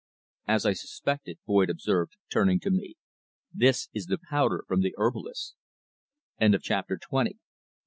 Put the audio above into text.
"As I suspected," Boyd observed, turning to me. "This is the powder from the herbalist's." CHAPTER TWENTY ONE.